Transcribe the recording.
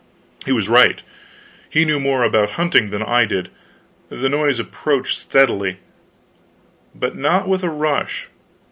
He was right. He knew more about hunting than I did. The noise approached steadily, but not with a rush.